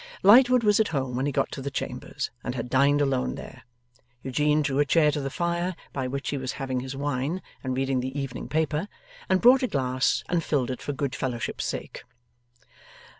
Lightwood was at home when he got to the Chambers, and had dined alone there. Eugene drew a chair to the fire by which he was having his wine and reading the evening paper, and brought a glass, and filled it for good fellowship's sake.